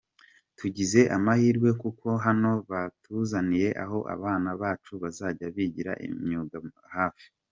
Tugize amahirwe kuko hano batuzaniye aho abana bacu bazajya bigira imyuga hafi.